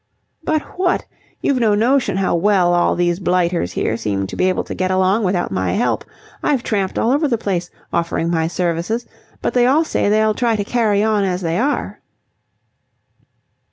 "But what? You've no notion how well all these blighters here seem to be able to get along without my help. I've tramped all over the place, offering my services, but they all say they'll try to carry on as they are."